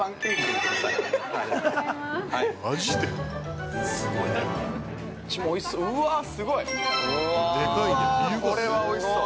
うわぁ、これはおいしそう。